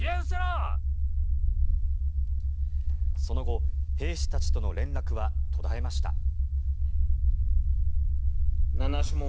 その後兵士たちとの連絡は途絶えました。